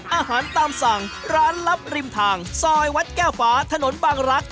อาหารตามสั่งร้านลับริมทางซอยวัดแก้วฟ้าถนนบางรักษ